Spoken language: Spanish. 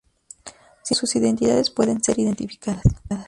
Sin embargo, sus identidades pueden ser identificadas.